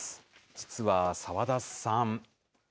実は澤田さん。